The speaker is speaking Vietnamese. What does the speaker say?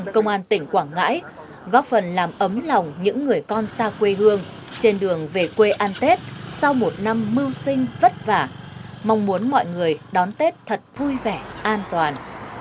công an tỉnh quảng ngãi góp phần làm ấm lòng những người con xa quê hương trên đường về quê an tết sau một năm mưu sinh vất vả mong muốn mọi người đón tết thật vui vẻ an toàn